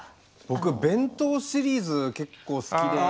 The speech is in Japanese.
僕は弁当シリーズ結構好きで。